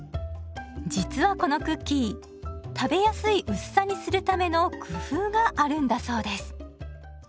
実はこのクッキー食べやすい薄さにするための工夫があるんだそうです。